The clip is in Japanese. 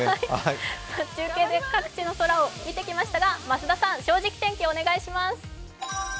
中継で各地の空を見てきましたが、増田さん、「正直天気」をお願いします。